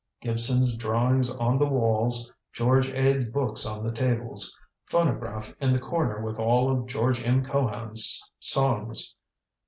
Gibson's drawings on the walls, George Ade's books on the tables, phonograph in the corner with all of George M. Cohan's songs.